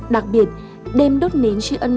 đặc biệt đêm đốt nến tri ân